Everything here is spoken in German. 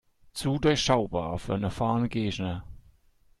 Zu durchschaubar für einen erfahrenen Gegner.